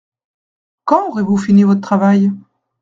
Quand aurez-vous fini votre travail ?